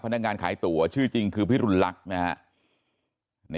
พนักงานขายตั๋วชื่อจริงคือพี่รุนลักน์